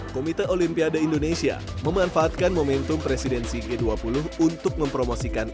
komite olimpiade indonesia memanfaatkan momentum presidensi g dua puluh untuk mempromosikan